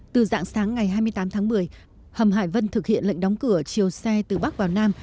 từ dạng sáng ngày hai mươi tám tháng một mươi hầm hải vân thực hiện lệnh đóng cửa chiều xe từ bắc vào nam